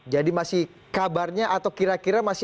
jadi masih kabarnya atau kira kira masih cukup berhasil